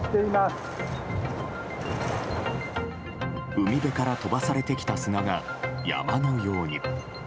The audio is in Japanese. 海辺から飛ばされてきた砂が山のように。